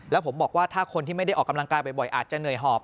แล้วผมบอกว่าถ้าคนที่ไม่ได้ออกกำลังกายบ่อยอาจจะเหนื่อยหอบ